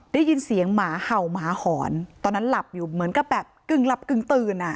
ได้ยินเสียงหมาเห่าหมาหอนตอนนั้นหลับอยู่เหมือนกับแบบกึ่งหลับกึ่งตื่นอ่ะ